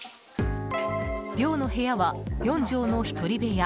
寮の部屋は４畳の１人部屋。